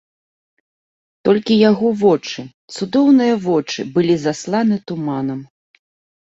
Толькі яго вочы, цудоўныя вочы, былі засланы туманам.